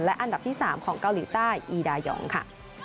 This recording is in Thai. อันดับที่๓ของเกาหลีใต้อีดายองค่ะ